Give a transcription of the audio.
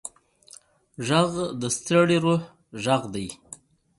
غږ د ستړي روح غږ دی